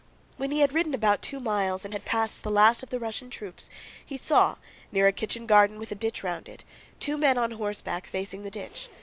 When he had ridden about two miles and had passed the last of the Russian troops, he saw, near a kitchen garden with a ditch round it, two men on horseback facing the ditch.